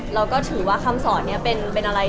เราก็ถือว่าคำสอนนี้เป็นอะไร